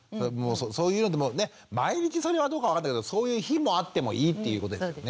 そういうのでもね毎日それはどうか分かんないけどそういう日もあってもいいっていうことですよね。